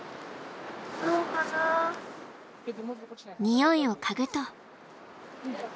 においを嗅ぐと。